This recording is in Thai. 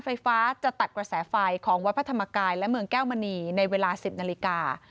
ไฟฟ้าจะตัดกระแสไฟของวัดพระธรรมกายและเมืองแก้วมณีในเวลา๑๐นาฬิกา